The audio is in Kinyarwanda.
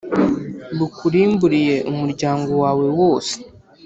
Bakurimburiye umuryango wawe wose